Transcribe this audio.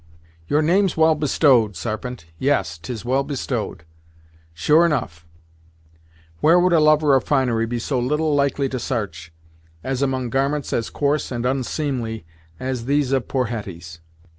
"Your name's well bestowed, Sarpent yes, 'tis well bestowed! Sure enough, where would a lover of finery be so little likely to s'arch, as among garments as coarse and onseemly as these of poor Hetty's.